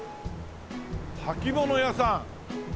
履物屋さん。